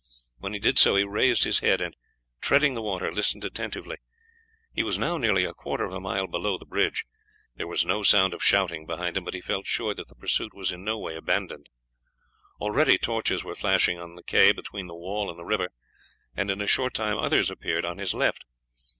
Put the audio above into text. When he did so he raised his head and, treading the water, listened attentively. He was now nearly a quarter of a mile below the bridge. There was no sound of shouting behind him, but he felt sure that the pursuit was in no way abandoned. Already torches were flashing on the quay between the wall and the river, and in a short time others appeared on his left.